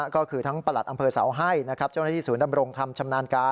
ก็คือทั้งประหลัดอำเภอเสาให้นะครับเจ้าหน้าที่ศูนย์ดำรงธรรมชำนาญการ